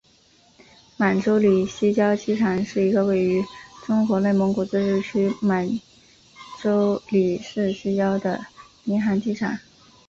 满洲里西郊机场是一个位于中国内蒙古自治区满洲里市西郊的民航机场。